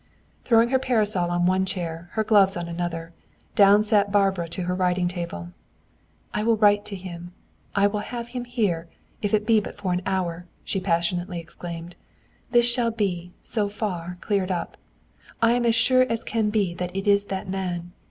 Throwing her parasol on one chair, her gloves on another, down sat Barbara to her writing table. "I will write to him; I will have him here, if it be but for an hour!" she passionately exclaimed. "This shall be, so far, cleared up. I am as sure as sure can be that it is that man.